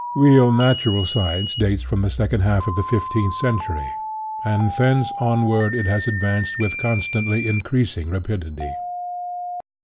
Real natural science dates from the second half of the fifteenth century, and thence onward it has advanced with constantly increasing rapidity.